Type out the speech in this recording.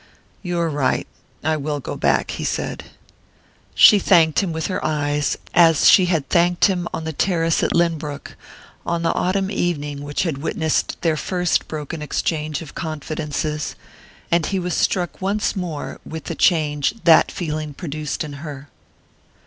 "You are right I will go back," he said. She thanked him with her eyes, as she had thanked him on the terrace at Lynbrook, on the autumn evening which had witnessed their first broken exchange of confidences; and he was struck once more with the change that feeling produced in her.